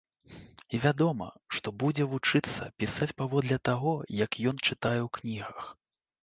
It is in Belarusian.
І вядома, што будзе вучыцца пісаць паводле таго, як ён чытае ў кнігах.